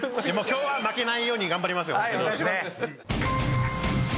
でも今日は負けないように頑張りますよ。